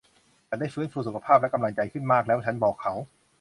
ฉันได้ฟื้นฟูสุขภาพและกำลังใจขึ้นมากแล้ว ฉันบอกเขา